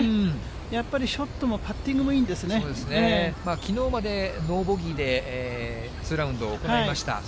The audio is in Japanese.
やっぱりショットもパッティングきのうまでノーボギーで、２ラウンド行いました。